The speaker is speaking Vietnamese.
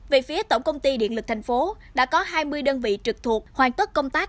về phía tổng công ty điện lực thành phố đã có hai mươi đơn vị trực thuộc hoàn tất công tác